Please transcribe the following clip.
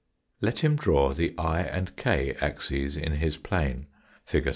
Let him draw the i and k axes in his plane, fig.